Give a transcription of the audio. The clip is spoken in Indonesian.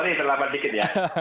terlambat dikit ya